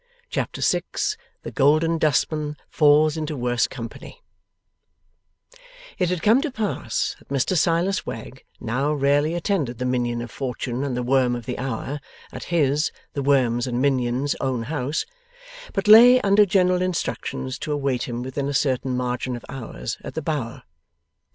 Chapter 6 THE GOLDEN DUSTMAN FALLS INTO WORSE COMPANY It had come to pass that Mr Silas Wegg now rarely attended the minion of fortune and the worm of the hour, at his (the worm's and minion's) own house, but lay under general instructions to await him within a certain margin of hours at the Bower.